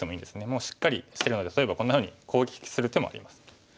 もうしっかりしてるので例えばこんなふうに攻撃する手もあります。